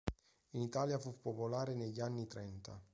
In Italia fu popolare negli anni trenta.